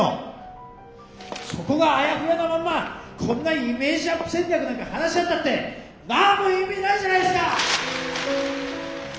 そこがあやふやなまんまこんなイメージアップ戦略なんか話し合ったってなんも意味ないじゃないすか！